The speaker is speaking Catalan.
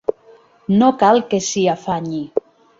No cal que s'hi afanyi.